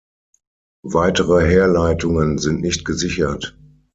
Weitere Herleitungen sind nicht gesichert.